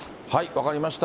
分かりました。